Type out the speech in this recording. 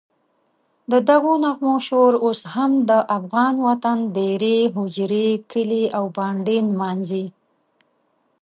ددغو نغمو شور اوس هم د افغان وطن دېرې، هوجرې، کلي او بانډې نمانځي.